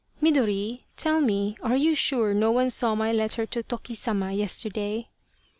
" Midori, tell me, are you sure no one saw my letter to Toki Sama yesterday